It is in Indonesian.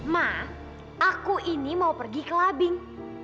ma aku ini mau pergi clubbing